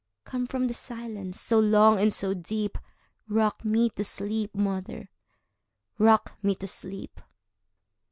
Come from the silence so long and so deep;—Rock me to sleep, mother,—rock me to sleep!